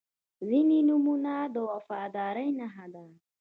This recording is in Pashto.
• ځینې نومونه د وفادارۍ نښه ده.